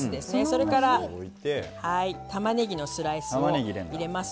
それからたまねぎのスライスを入れます。